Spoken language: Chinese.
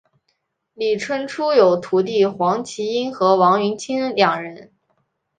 李春初有徒弟黄麒英和王云清两人。